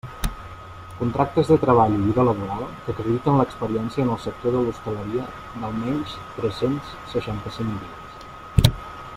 Contractes de treball i vida laboral que acrediten l'experiència en el sector de l'hostaleria d'almenys tres-cents seixanta-cinc dies.